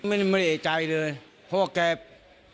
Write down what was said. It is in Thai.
ก็เลยไม่รู้ว่าวันเกิดเหตุคือมีอาการมืนเมาอะไรบ้างหรือเปล่า